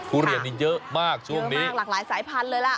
ทุเรียนนี่เยอะมากช่วงนี้หลากหลายสายพันธุ์เลยล่ะ